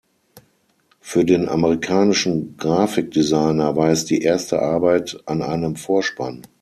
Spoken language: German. Für den amerikanischen Grafikdesigner war es die erste Arbeit an einem Vorspann.